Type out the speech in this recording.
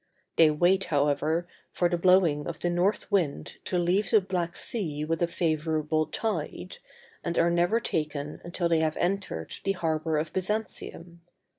They wait, however, for the blowing of the north wind to leave the Black Sea with a favorable tide, and are never taken until they have entered the harbor of Byzantium.